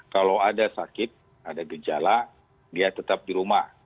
kalau ada sakit ada gejala dia tetap di rumah